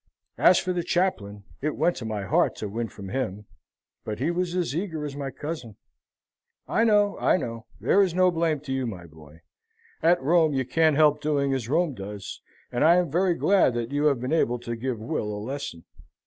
As for the chaplain, it went to my heart to win from him, but he was as eager as my cousin." "I know I know! There is no blame to you, my boy. At Rome you can't help doing as Rome does; and I am very glad that you have been able to give Will a lesson.